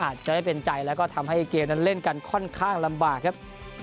อาจจะได้เป็นใจแล้วก็ทำให้เกมนั้นเล่นกันค่อนข้างลำบากครับ